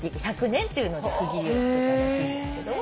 １００年っていうので区切りをつけたらしいんですけど。